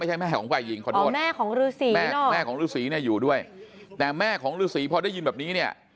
ไม่ใช่แม่ของผู้หญิงแม่ของฤษีอยู่ด้วยแต่แม่ของฤษีพอได้ยืนแบบนี้เนี่ย